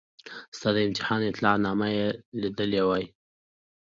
ستا د امتحان اطلاع نامه یې لیدلې وای.